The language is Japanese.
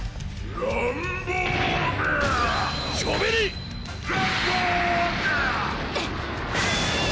ランボーグ！